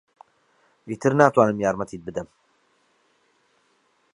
ئیتر ناتوانم یارمەتیت بدەم.